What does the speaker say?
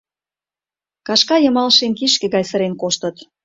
Кашка йымал шем кишке гай сырен коштыт.